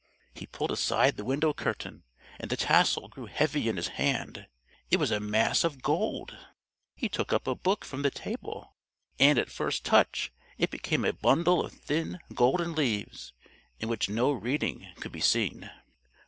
He pulled aside the window curtain and the tassel grew heavy in his hand it was a mass of gold! He took up a book from the table, and at his first touch it became a bundle of thin golden leaves, in which no reading could be seen.